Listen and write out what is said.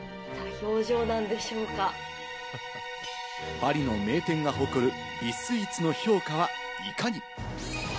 パリの名店が誇る美スイーツの評価はいかに？